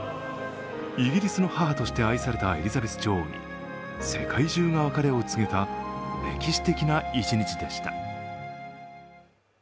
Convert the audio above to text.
イギリスの母として愛されたエリザベス女王に世界中が別れを告げた歴史的な一日でした。